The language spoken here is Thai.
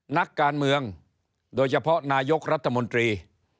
นักการเมืองโดยเฉพาะนายกรัฐมนตรี